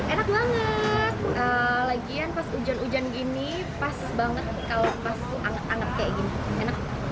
enak banget lagian pas hujan hujan gini pas banget kalau pas anget anget kayak gini enak